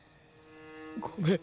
ごめん。